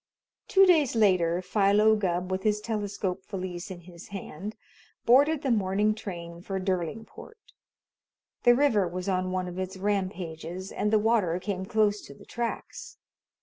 Two days later Philo Gubb, with his telescope valise in his hand, boarded the morning train for Derlingport. The river was on one of its "rampages" and the water came close to the tracks.